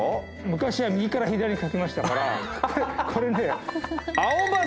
昔は右から左に書きましたからこれね。